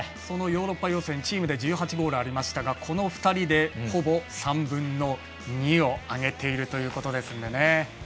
ヨーロッパ予選チームで１８ゴールありましたがこの２人でほぼ３分の２を挙げているということですので。